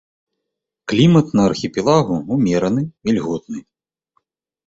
Клімат на архіпелагу умераны, вільготны.